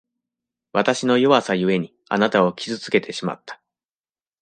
わたしの弱さゆえに、あなたを傷つけてしまった。